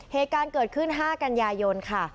เหตุการณ์เกิดขึ้น๕กันยายนค่ะ